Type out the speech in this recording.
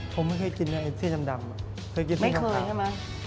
ผมไม่เคยกินเนื้อไอ้เส้นดำอ่ะเคยกินเส้นดำขาวไม่เคยใช่ไหม